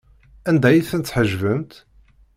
Anda ay ten-tḥejbemt?